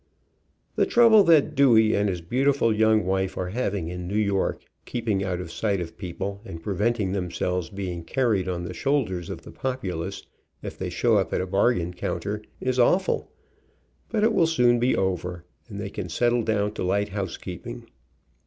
The trouble that Dewey and his beautiful young wife are having in New York, keeping out of sight of people, and preventing themselves being carried on the shoulders of the populace, if they show up at a bargain counter, is awful, but it will soon be over, and they can settle down to light housekeeping.